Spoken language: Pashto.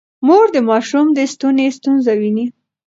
مور د ماشوم د ستوني ستونزه ويني.